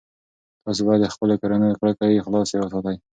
تاسي باید د خپلو کورونو کړکۍ خلاصې وساتئ.